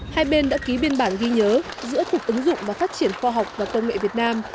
hai bên đã ký biên bản ghi nhớ giữa cục ứng dụng và phát triển khoa học và công nghệ việt nam